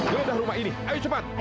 geledah rumah ini ayo cepat